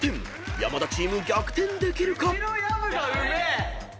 山田チーム逆転できるか？］